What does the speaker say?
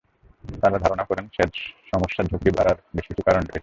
তাঁরা ধারণা করেন, স্যাড সমস্যার ঝুঁকি বাড়ার বেশ কিছু কারণ রয়েছে।